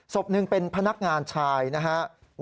ศพหนึ่งเป็นพนักงานชายนะครับ